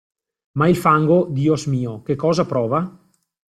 Ma il fango, Dios mio, che cosa prova?